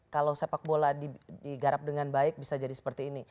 kalau sepak bola digarap dengan baik bisa jadi seperti ini